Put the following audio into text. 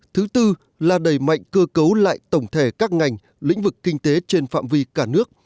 thứ tư là đẩy mạnh cơ cấu lại tổng thể các ngành lĩnh vực kinh tế trên phạm vi cả nước